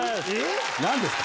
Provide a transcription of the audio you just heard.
何ですか？